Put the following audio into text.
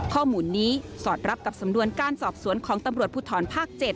ข้อมูลนี้สอดรับกับสำนวนการสอบสวนของตำรวจภูทรภาค๗